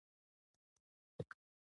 هغه سړی په خپل پور پسې راغی.